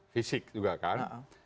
fisik juga kan